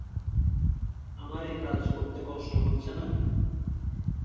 আমার একাজ করতে কষ্ট হচ্ছে না?